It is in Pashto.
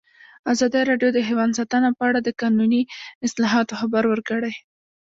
ازادي راډیو د حیوان ساتنه په اړه د قانوني اصلاحاتو خبر ورکړی.